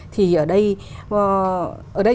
thì ở đây